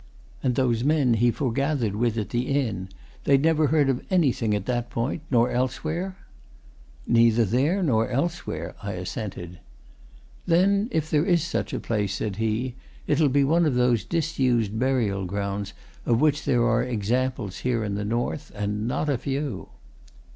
And those men he foregathered with at the inn, they'd never heard of anything at that point, nor elsewhere?" "Neither there nor elsewhere," I assented. "Then if there is such a place," said he, "it'll be one of those disused burial grounds of which there are examples here in the north, and not a few."